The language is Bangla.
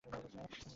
ওহ, তাই।